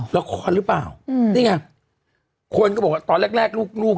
ละครรึเปล่านี่ไงคนก็บอกว่าตอนแรกลูก